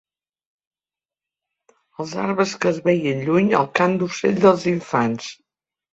Els arbres que es veien lluny, el cant d'ocell dels infants